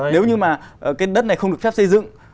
nếu như mà cái đất này không được phép xây dựng